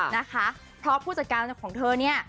นะคะเพราะผู้จัดการของเธอเนี่ย